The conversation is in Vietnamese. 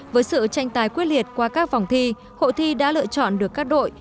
với sự tranh tài quyết liệt qua các vòng thi hội thi đã lựa chọn được các đội